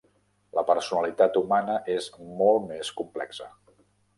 La personalitat humana és molt més complexa.